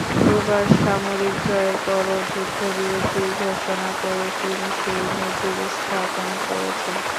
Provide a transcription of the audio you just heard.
দুবার সামরিক জয়ের পরও যুদ্ধবিরতি ঘোষণা করে তিনি সেই নজির স্থাপন করেছেন।